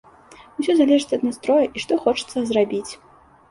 Усе залежыць ад настроя і што хочацца зрабіць.